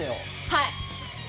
はい！